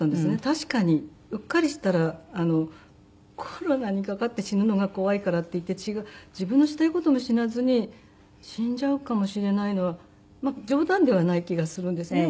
確かにうっかりしたらコロナにかかって死ぬのが怖いからっていって自分のしたい事もしなずに死んじゃうかもしれないのは冗談ではない気がするんですね